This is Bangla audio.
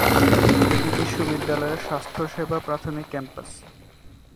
এটি বিশ্ববিদ্যালয়ের স্বাস্থ্যসেবা প্রাথমিক ক্যাম্পাস।